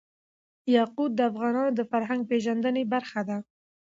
یاقوت د افغانانو د فرهنګ پیژندني برخه ده.